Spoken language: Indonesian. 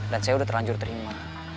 dan saya udah terlanjur terima